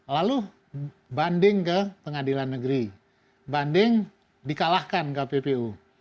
lalu banding ke pengadilan negeri banding dikalahkan kppu